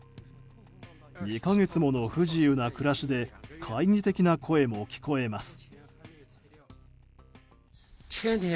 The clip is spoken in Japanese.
２か月もの不自由な暮らしで懐疑的な声も聞こえます。